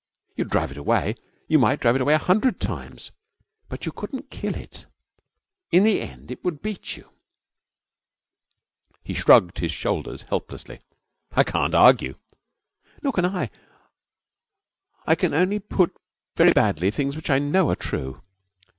You would drive it away. You might drive it away a hundred times. But you couldn't kill it. In the end it would beat you.' He shrugged his shoulders helplessly. 'I can't argue.' 'Nor can I. I can only put very badly things which I know are true.